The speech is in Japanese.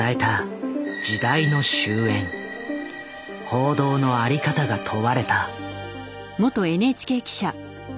報道の在り方が問われた。